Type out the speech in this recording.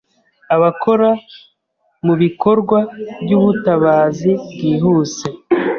Abakora mu bikorwa by'ubutabazi bwihuse